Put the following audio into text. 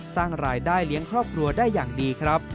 สร้างรายได้เลี้ยงครอบครัวได้อย่างดีครับ